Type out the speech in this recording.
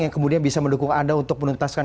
yang kemudian bisa mendukung anda untuk menuntaskan